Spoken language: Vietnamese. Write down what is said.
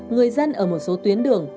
người dân ở một số tuyến đường